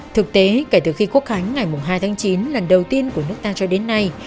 thực tế kể từ khi quốc khánh ngày hai tháng chín lần đầu tiên của nước ta cho đến nay